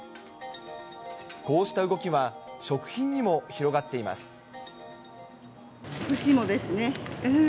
こうした動きは、食品にも広がっ干し芋ですね。